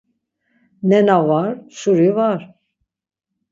Nena var, şuri var!